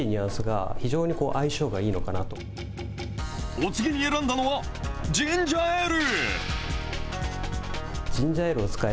お次に選んだのは、ジンジャーエール。